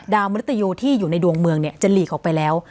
ดาวมนุษยุที่อยู่ในดวงเมืองเนี้ยจะหลีกออกไปแล้ว